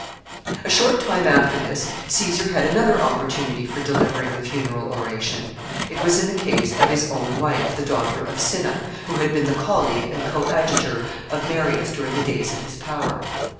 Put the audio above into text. ] A short time after this Caesar had another opportunity for delivering a funeral oration; it was in the case of his own wife, the daughter of Cinna, who had been the colleague and coadjutor of Marius during the days of his power.